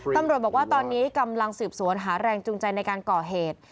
ตำรวจบอกว่าตอนนี้กำลังสืบสวนหาแรงจูงใจในการก่อเหตุ